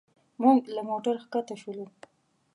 موږ له موټر ښکته شولو.